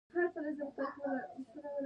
کاري پروګرام له فدراسیون څخه شروع کېدو.